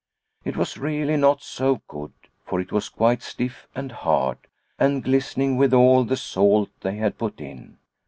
It was really not so good, for it was quite stiff and hard, and glistening with all the salt they had put in.